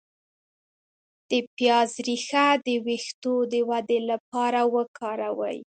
د پیاز ریښه د ویښتو د ودې لپاره وکاروئ